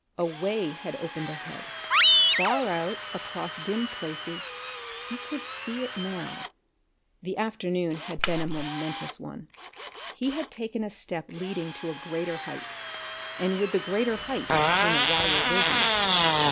A way had opened ahead; far out across dim places he could see it now. The afternoon had been a momentous one. He had taken a step leading to a greater height, and with the greater height came a wider vision.